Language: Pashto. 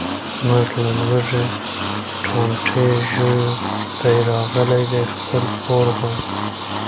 موږ له لوږې ټانټې ژویو، دی راغلی دی خپل پور غواړي.